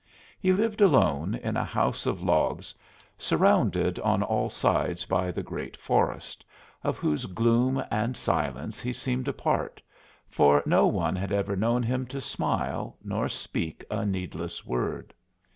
He lived alone in a house of logs surrounded on all sides by the great forest, of whose gloom and silence he seemed a part, for no one had ever known him to smile nor speak a needless word.